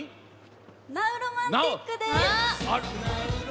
「ナウロマンティック」です！